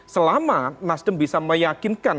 selama nasdem bisa meyakinkan